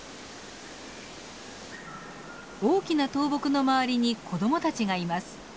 大きな倒木の周りに子どもたちがいます。